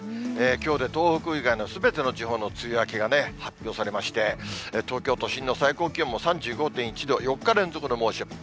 きょうで東北以外のすべての地方の梅雨明けがね、発表されまして、東京都心の最高気温も３５．１度、４日連続の猛暑日。